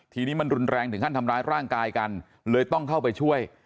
ทีนี้มันรุนแรงถึงขั้นทำร้ายร่างกายกันเลยต้องเข้าไปช่วย